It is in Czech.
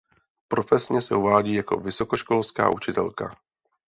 Profesně se uvádí jako vysokoškolská učitelka.